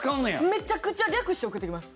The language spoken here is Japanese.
めちゃくちゃ略して送ってきます。